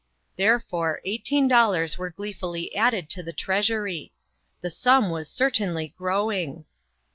There fore eighteen dollars were gleefully added to the treasury. The sum was certainlj growing.